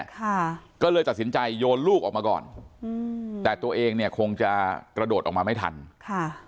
ค่ะก็เลยตัดสินใจโยนลูกออกมาก่อนอืมแต่ตัวเองเนี่ยคงจะกระโดดออกมาไม่ทันค่ะ